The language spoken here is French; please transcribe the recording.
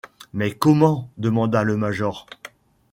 Mais comment ? demanda le major.